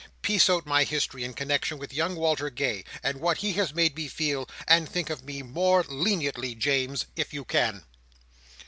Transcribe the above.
Piece out my history, in connexion with young Walter Gay, and what he has made me feel; and think of me more leniently, James, if you can."